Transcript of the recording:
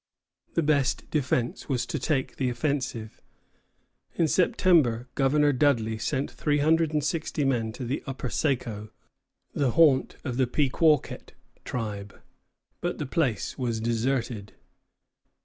The best defence was to take the offensive. In September Governor Dudley sent three hundred and sixty men to the upper Saco, the haunt of the Pequawket tribe; but the place was deserted.